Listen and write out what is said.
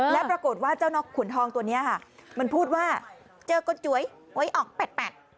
แล้วปรากฏว่าเจ้านกขุนทองตัวเนี้ยค่ะมันพูดว่าเจอกดจวยไว้ออกแปดแปด